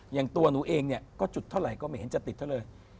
อย่างตัวหนูเองเนี่ยก็จุดเท่าไหร่ก็ไม่เห็นจะติดเท่าเลย